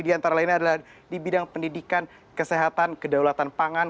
di antara lainnya adalah di bidang pendidikan kesehatan kedaulatan pangan